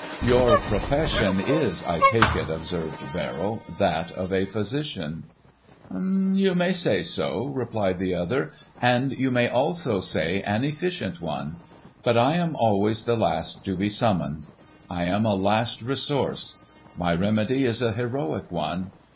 "Your profession is, I take it," observed Verrill, "that of a physician." "You may say so," replied the other, "and you may also say an efficient one. But I am always the last to be summoned. I am a last resource; my remedy is a heroic one.